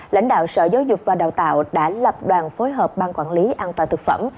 lãnh đạo sở giáo dục và đào tạo đã lập đoàn phối hợp ban quản lý an toàn thực phẩm